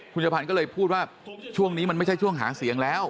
คุณชะพันธ์ก็เลยพูดว่าช่วงนี้มันไม่ใช่ช่วงหาเสียงแล้ว